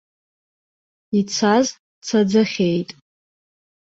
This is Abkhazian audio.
Ицаз цаӡахьеит.